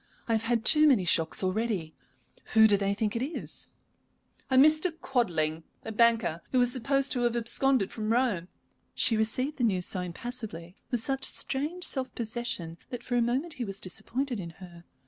I have had too many shocks already. Who do they think it is?" "A Mr. Quadling, a banker, who is supposed to have absconded from Rome." She received the news so impassively, with such strange self possession, that for a moment he was disappointed in her.